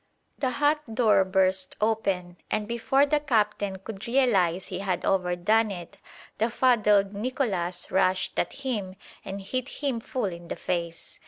The hut door burst open, and before the captain could realise he had overdone it, the fuddled Nicolas rushed at him and hit him full in the face.